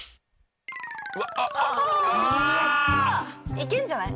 いけるんじゃない？